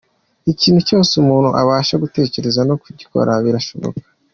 Ikintu cyose umuntu abasha gutekereza, no kugikora birashoboka.